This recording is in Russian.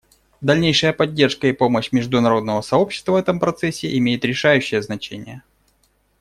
Дальнейшая поддержка и помощь международного сообщества в этом процессе имеет решающее значение.